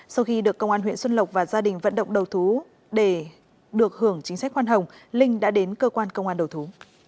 sau khi được công an huyện xuân lộc và gia đình vận động đầu thú để được hưởng chính sách khoan hồng linh đã đến cơ quan công an đầu thú